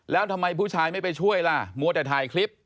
แล้วทำไมผู้ชายไม่ไปช่วยล่ะมัวแต่ถ่ายคลิป